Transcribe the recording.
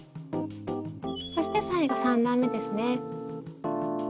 そして最後３段めですね。